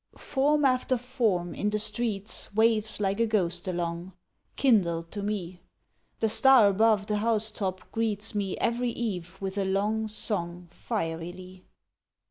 Form after form, in the streets Waves like a ghost along, Kindled to me; The star above the house top greets Me every eve with a long Song fierily.